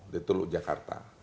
di teluk jakarta